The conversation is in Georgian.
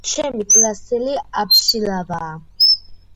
ჩემი კლასელი აბშილავაა